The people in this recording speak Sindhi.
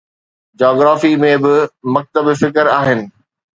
جاگرافي ۾ ٻه مکتب فڪر آهن